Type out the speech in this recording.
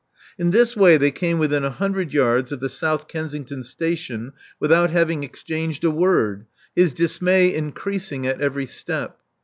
In this way they came within a hundred yards of the South Kensington station without having exchanged a word, his dismay increasing at every step.